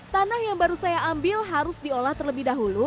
tanah yang baru saya ambil harus diolah terlebih dahulu